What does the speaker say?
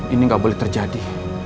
ini gak boleh terjadi